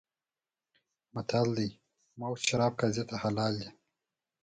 متل دی: مفت شراب قاضي ته حلال دي.